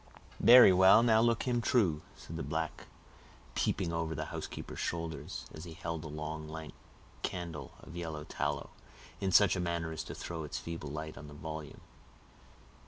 "Berry well, now look him t'rough," said the black, peeping over the housekeeper's shoulder, as he held a long lank candle of yellow tallow, in such a manner as to throw its feeble light on the volume.